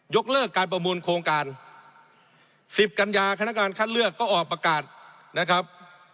เลิกการประมูลโครงการ๑๐กันยาคณะการคัดเลือกก็ออกประกาศนะครับ